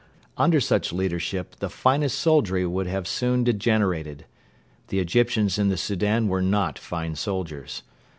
Under such leadership the finest soldiery would have soon degenerated. The Egyptians in the Soudan were not fine soldiers.